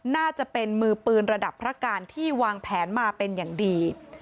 น่าจะเป็นมือปืนระดับพระการที่วางแผนมาเป็นอย่างดี